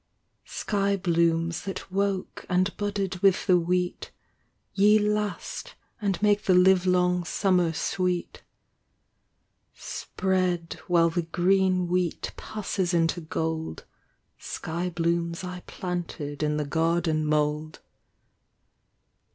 Sky blooms that woke and budded with the wheat, Ye last and make the livelong summer sweet : Spread while the green wheat passes into gold. Sky blooms I planted in the garden mould.